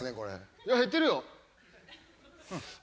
いや減ってるよ。